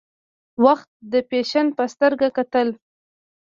وخت د فیشن په سترګه کتل.